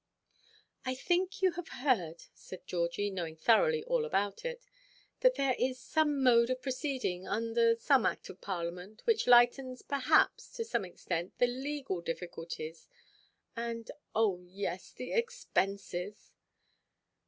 "I think I have heard," said Georgie, knowing thoroughly all about it, "that there is some mode of proceeding, under some Act of Parliament, which lightens, perhaps, to some extent, the legal difficulties—and, oh yes, the expenses."